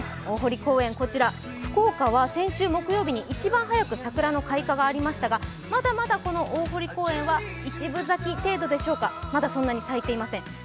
大濠公園、福岡は先週木曜日に一番早く桜の開花がありましたがまだまだこの大濠公園は一分咲き程度でしょうか、まだそんなに咲いていません